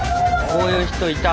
こういう人いた。